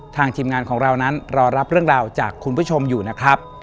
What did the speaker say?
ทีมงานของเรานั้นรอรับเรื่องราวจากคุณผู้ชมอยู่นะครับ